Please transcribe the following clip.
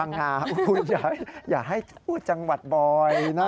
คุณยายอย่าให้ทูตจังหวัดบ่อยนะ